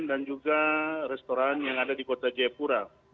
dan juga restoran yang ada di kota jayapura